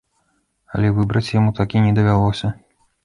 Але выбраць яму так і не давялося.